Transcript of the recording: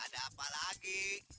ada apa lagi